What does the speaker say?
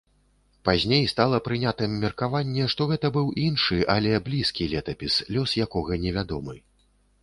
Пазней стала прынятым меркаванне, што гэта быў іншы, але блізкі летапіс, лёс якога невядомы.